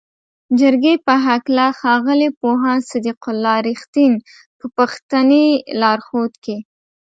جرګې په هکله ښاغلي پوهاند صدیق الله "رښتین" په پښتني لارښود کې